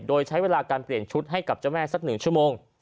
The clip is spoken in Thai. โดยใช้เวลาการเปลี่ยนชุดให้กับเจ้าแม่สัก๑ชั่วโมง